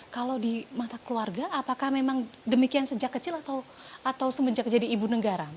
kalau di mata keluarga apakah memang demikian sejak kecil atau semenjak jadi ibu negara